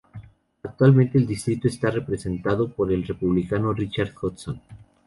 Actualmente el distrito está representado por el Republicano Richard Hudson.